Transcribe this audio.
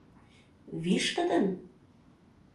Вишкыдын?